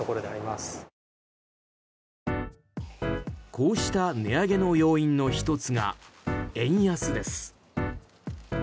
こうした値上げの要因の１つが円安です。